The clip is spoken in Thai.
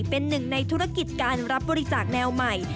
เป็นหนึ่งในธุรกิจการรับบริจาคแนวใหม่